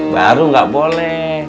baru nggak boleh